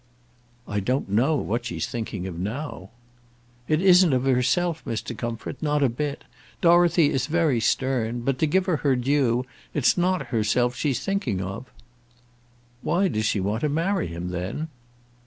"I don't know what she's thinking of now." "It isn't of herself, Mr. Comfort; not a bit. Dorothy is very stern; but, to give her her due, it's not herself she's thinking of." "Why does she want to marry him, then?"